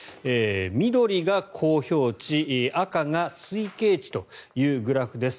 緑が公表値赤が推計値というグラフです。